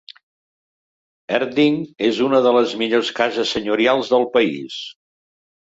Erddig és una de les millors cases senyorials del país.